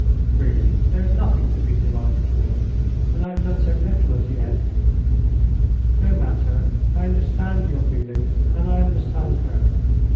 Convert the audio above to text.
"Really, there is nothing to be delighted with; and I have done so little as Yet." "No matter. I understand your feelings, and I understand her.